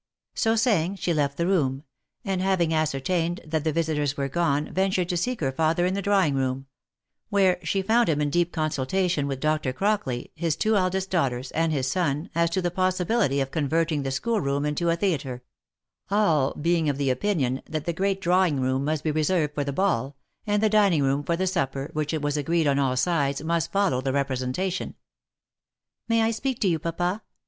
So saying, she left the room, and having ascertained that the visiters were gone, ventured to seek her father in the drawing room ; where she found him deep in consultation with Dr. Crockley, his two eldest daughters, and his son, as to the possibility of converting the school room into a theatre : all being of opinion that the great draw ing room must be reserved for the ball, and the dining room for the supper, which it was agreed on all sides must follow the representa tion. ." May I speak to you, papa